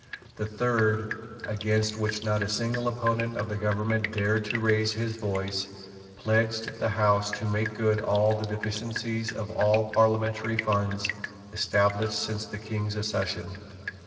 The third, against which not a single opponent of the government dared to raise his voice, pledged the House to make good all the deficiencies of all parliamentary fund's established since the King's accession.